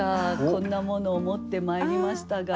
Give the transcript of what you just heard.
こんなものを持ってまいりましたが。